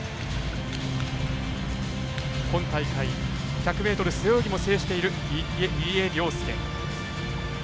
今大会１００ｍ背泳ぎも制している、入江陵介。